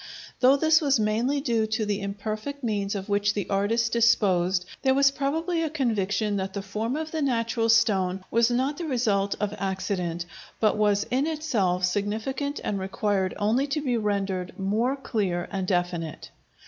Though this was mainly due to the imperfect means of which the artist disposed, there was probably a conviction that the form of the natural stone was not the result of accident, but was in itself significant and required only to be rendered more clear and definite.